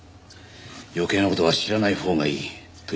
余計な事は知らないほうがいいという事ですね。